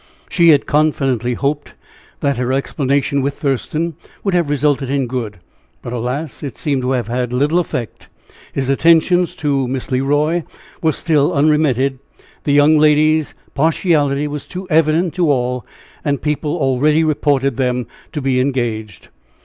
She had confidently hoped that her explanation with Thurston would have resulted in good but, alas! it seemed to have had little effect. His attentions to Miss Le Roy were still unremitted the young lady's partiality was too evident to all and people already reported them to be engaged.